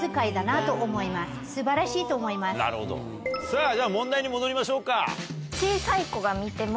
さぁじゃあ問題に戻りましょうか。